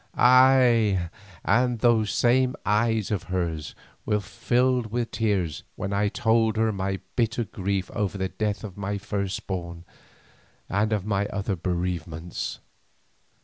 Ay, and those same eyes of hers were filled with tears when I told her my bitter grief over the death of my firstborn and of my other bereavements.